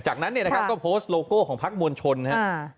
จากนั้นก็โพสต์โลโก้ของพักมวลชนนะครับ